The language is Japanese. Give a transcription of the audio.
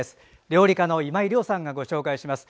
料理家の今井亮さんがご紹介します。